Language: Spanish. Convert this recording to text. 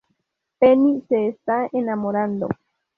Penny se está enamorando.